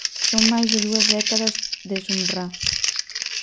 Son máis de dúas décadas de Sumrrá.